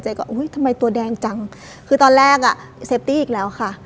ก็อุ้ยทำไมตัวแดงจังคือตอนแรกอ่ะเซฟตี้อีกแล้วค่ะ